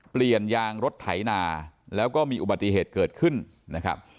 เปลี่ยนยางรถไถนาแล้วก็มีอุบัติเหตุเกิดขึ้นนะครับ